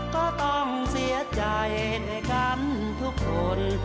ก็ต้องเสียใจด้วยกันทุกคน